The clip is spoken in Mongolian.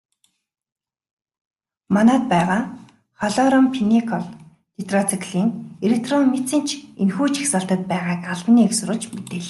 Манайд байгаа хлорамфеникол, тетрациклин, эритромицин ч энэхүү жагсаалтад байгааг албаны эх сурвалж мэдээллээ.